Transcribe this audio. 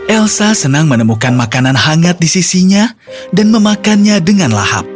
elsa senang menemukan makanan hangat di sisinya dan memakannya dengan lahap